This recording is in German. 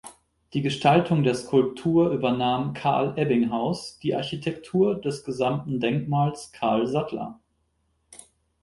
Die Gestaltung der Skulptur übernahm Carl Ebbinghaus, die Architektur des gesamten Denkmals Carl Sattler.